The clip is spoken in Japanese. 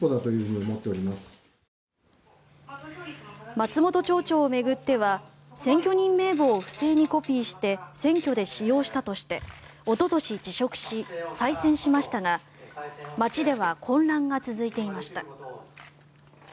松本町長を巡っては選挙人名簿を不正にコピーして選挙で使用したとしておととし辞職し、再選しましたが町では混乱が続いていました。